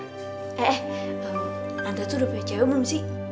eh eh anda tuh udah pake cewek belum sih